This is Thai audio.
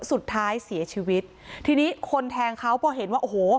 สุดท้ายเสียชีวิตทีนี้คนแทงเขาพอเห็นว่าโอ้โห